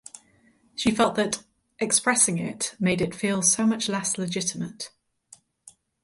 She felt that "expressing it made it feel so much less legitimate".